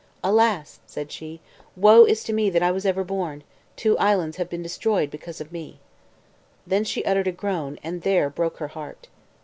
"Alas!" said she, "woe is me that I was ever born; two islands have been destroyed because of me." Then she uttered a groan, and there broke her heart.